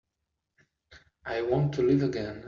I want to live again.